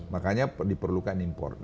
makanya diperlukan import